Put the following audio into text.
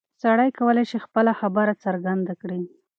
سړی کولی شي خپله خبره څرګنده کړي.